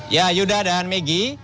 ya yuda dan megi